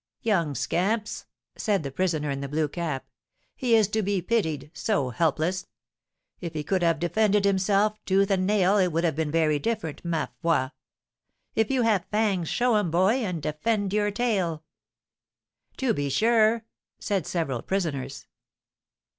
"Young scamps!" said the prisoner in the blue cap; "he is to be pitied, so helpless. If he could have defended himself, tooth and nail, it would have been very different, ma foi! If you have fangs, show 'em, boy, and defend your tail!" "To be sure!" said several prisoners.